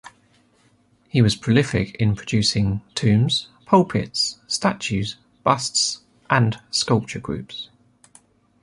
He was prolific in producing tombs, pulpits, statues, busts, and sculpture groups.